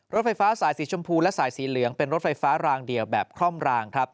รถไฟฟ้าสายสีชมพูและสายสีเหลืองเป็นรถไฟฟ้ารางเดียวแบบคล่อมรางครับ